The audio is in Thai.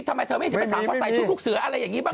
ทำไมเธอไม่เห็นให้ไปถามเขาใส่ชุดฮุกเสืออะไรแบบนี้บ้าง